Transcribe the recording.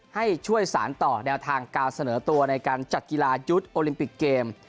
ให้ช่วยสารต่อแนวทางการเสนอตัวในการจัดกีฬายุทธ์โอลิมปิกเกม